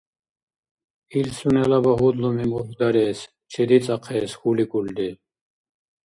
Ил сунела багьудлуми мурхьдарес, чедицӀахъес хьуликӀулри.